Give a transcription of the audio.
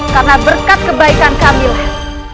karena berkat kebaikan kamilah